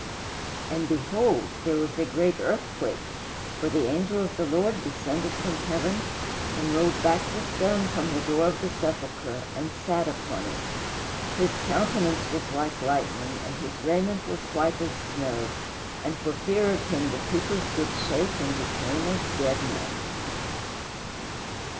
"And, behold, there was a great earthquake, for the angel of the Lord descended from heaven, and rolled back the stone from the door of the sepulchre, and sat upon it. His countenance was like lightning, and his raiment was white as snow, and for fear of him the keepers did shake and became as dead men."